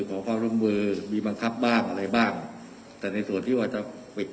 ขอความร่วมมือมีบังคับบ้างอะไรบ้างแต่ในส่วนที่ว่าจะปิด